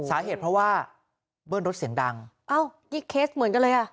สาเหตุเพราะว่าเบิ้ลรถเสียงดังอ้าวยี่เคสเหมือนกันเลยอ่ะ